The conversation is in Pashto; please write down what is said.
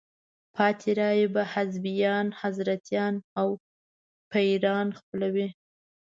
پاتې رایې به حزبیان، حضرتیان او پیران خپلوي.